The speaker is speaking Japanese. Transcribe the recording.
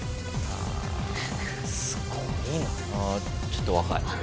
ちょっと若い。